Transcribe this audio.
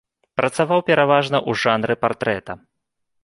Працаваў пераважна ў жанры партрэта.